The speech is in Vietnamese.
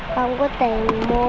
không có tiền mua